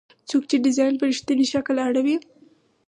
څوک چې ډیزاین په رښتیني شکل اړوي.